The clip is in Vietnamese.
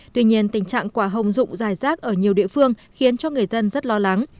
tuy nhiên tình trạng quả hồng dụng dài rác ở nhiều địa phương khiến cho người dân rất lo lắng